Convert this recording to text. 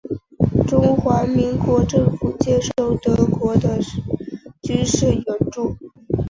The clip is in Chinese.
中华民国政府接受德国的军事援助。